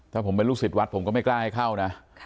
ถ้าผมเป็นลูกศิษย์วัดผมก็ไม่กล้าให้เข้านะ